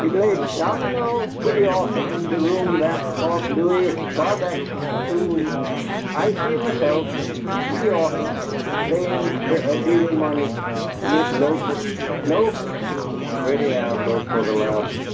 "He blays dominoes pooty often in der room back off Louie Farbach's tsaloon. I see him myself. Pooty often. Blayin' fer a leedle money mit loafers! Loafers!" "Pretty outlook for the Loudens!"